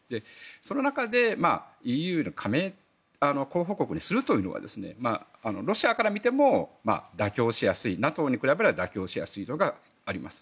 その中でＥＵへの加盟候補国にするというのはロシアから見ても妥協しやすいＮＡＴＯに比べれば妥協しやすいのがあります。